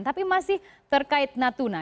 tapi masih terkait natuna